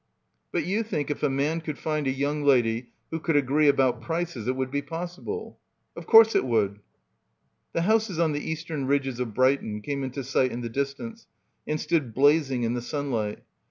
"But you think if a man could find a young lady who could agree about prices it would be possible." "Of course it would." The houses on the eastern ridges of Brighton — 229 — PILGRIMAGE came into sight in the distance and stood blazing in the sunlight.